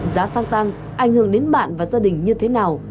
giá xăng tăng ảnh hưởng đến bạn và gia đình như thế nào